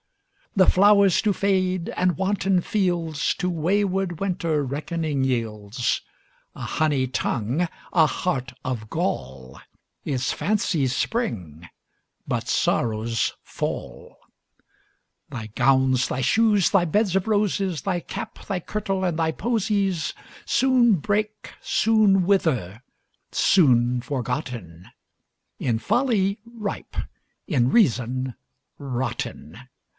The flowers do fade, and wanton fieldsTo wayward Winter reckoning yields:A honey tongue, a heart of gall, Is fancy's spring, but sorrow's fall. Thy gowns, thy shoes, thy beds of roses, Thy cap, thy kirtle, and thy posies, Soon break, soon wither—soon forgotten, In folly ripe, in reason rotten.